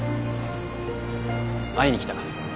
会いに来た。